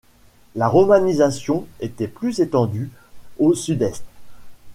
La romanisation était plus étendue au sud-est.